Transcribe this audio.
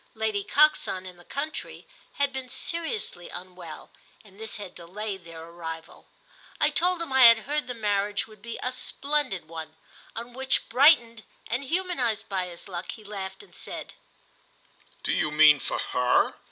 Lady Coxon, in the country, had been seriously unwell, and this had delayed their arrival. I told him I had heard the marriage would be a splendid one; on which, brightened and humanised by his luck, he laughed and said "Do you mean for her?"